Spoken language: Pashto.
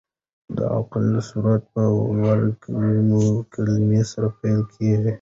د علق سورت په ولوله کلمې سره پیل کېږي.